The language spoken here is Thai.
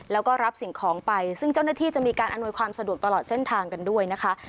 แล้วก็รับสิ่งของไปซึ่งเจ้าหน้าที่จะมีการอำนวยความสะดวกตลอดเส้นทางกันด้วยนะคะ